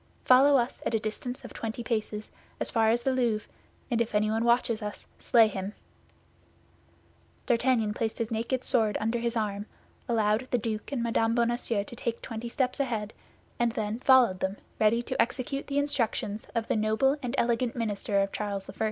Follow us at a distance of twenty paces, as far as the Louvre, and if anyone watches us, slay him!" D'Artagnan placed his naked sword under his arm, allowed the duke and Mme. Bonacieux to take twenty steps ahead, and then followed them, ready to execute the instructions of the noble and elegant minister of Charles I.